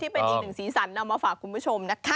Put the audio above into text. เป็นอีกหนึ่งสีสันนำมาฝากคุณผู้ชมนะคะ